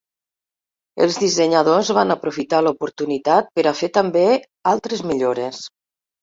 Els dissenyadors van aprofitar l'oportunitat per a fer també altres millores.